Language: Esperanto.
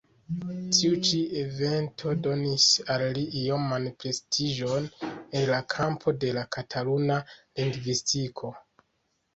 Tiu ĉi evento donis al li ioman prestiĝon en la kampo de Kataluna lingvistiko.